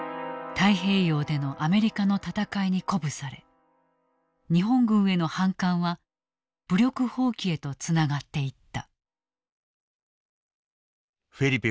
太平洋でのアメリカの戦いに鼓舞され日本軍への反感は武力蜂起へとつながっていった。